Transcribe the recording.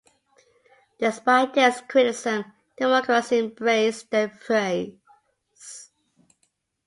Despite this criticism, Democrats embraced the phrase.